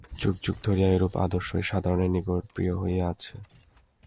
যুগ যুগ ধরিয়া এইরূপ আদর্শই সাধারণের নিকট প্রিয় হইয়া আছে।